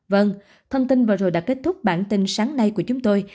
vâng thông tin vừa rồi đã kết thúc bản tin sáng nay của chúng tôi